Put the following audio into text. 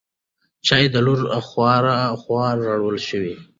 چای د لور له خوا راوړل شو.